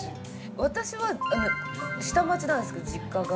私は下町なんですけど実家が。